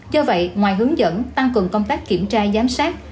do vậy ngoài hướng dẫn tăng cường công tác kiểm tra giám sát